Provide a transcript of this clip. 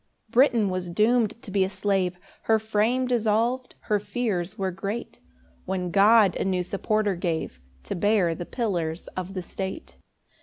2 Britain was doom'd to be a slave, Her frame dissolv'd, her fears were great; When God a new supporter gave To bear the pillars of the state.